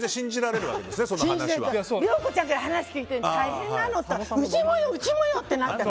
良子ちゃんから話聞いて大変なのよって。